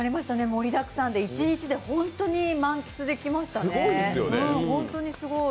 盛りだくさんで、一日で本当に満喫できましたね、本当にすごい。